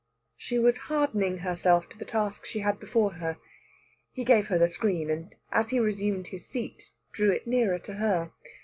She was hardening herself to the task she had before her. He gave her the screen, and as he resumed his seat drew it nearer to her.